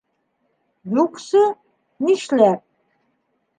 — Юҡсы, нишләп!